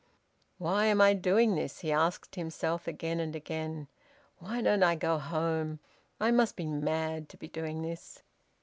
"Why am I doing this?" he asked himself again and again. "Why don't I go home? I must be mad to be doing this."